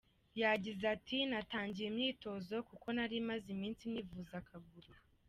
Yagize ati “ Natangiye imyitozo kuko nari maze iminsi nivuza akaguru.